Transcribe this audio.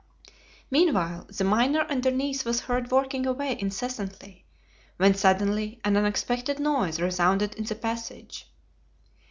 Meanwhile, the miner underneath was heard working away incessantly, when suddenly an unexpected noise resounded in the passage.